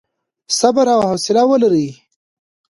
صبر او حوصله ولرئ.